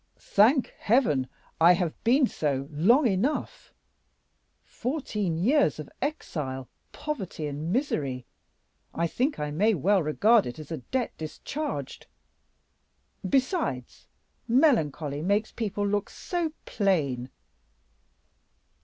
"Thank Heaven, I have been so long enough; fourteen years of exile, poverty, and misery, I think I may well regard it as a debt discharged; besides, melancholy makes people look so plain."